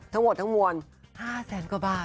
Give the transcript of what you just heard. ทั้งหมดทั้งมวล๕แสนกว่าบาท